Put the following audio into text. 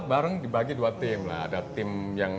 bareng dibagi dua tim lah ada tim yang